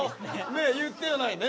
ねえ言ってはないね。